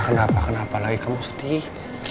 kenapa kenapa lagi kamu sedih